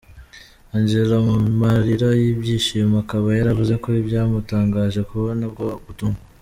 Angela mu marira y’ibyishimo akaba yaravuze ko byamutangaje kubona ubwo butumwa.